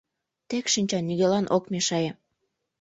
— Тек шинча, нигӧлан ок мешае.